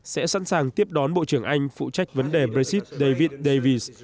sẽ sẵn sàng tiếp đón bộ trưởng anh phụ trách vấn đề brexit david davis